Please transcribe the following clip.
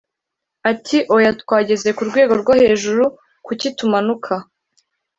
ati: “oya, twageze ku rwego rwo hejuru, kuki tumanuka?”